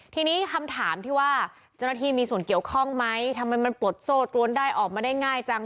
ทีนี้คำถามที่ว่าเจ้าหน้าที่มีส่วนเกี่ยวข้องไหมทำไมมันปลดโซ่ตรวนได้ออกมาได้ง่ายจัง